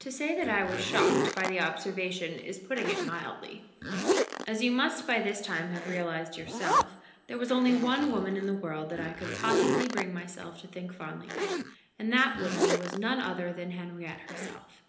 To say that I was shocked by the observation is putting it mildly. As you must by this time have realized yourself, there was only one woman in the world that I could possibly bring myself to think fondly of, and that woman was none other than Henriette herself.